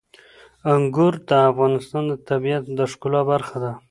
انګور د افغانستان د طبیعت د ښکلا برخه ده.